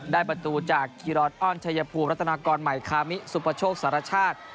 ได้ประตูจากคีรอนอ้อนชัยภูมิรัฐนากรใหม่คามิสุปโชคสารชาติ